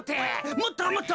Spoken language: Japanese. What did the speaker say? もっともっと。